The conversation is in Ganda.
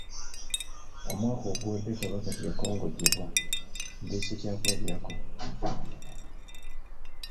Omwaka oguwedde Kabaka teyakongojjebwa, ndeese kyakulabirako.